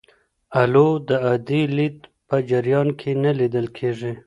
اولو د عادي لید په جریان کې نه لیدل کېږي.